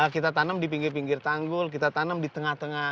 kita tanam di pinggir pinggir tanggul kita tanam di tengah tengah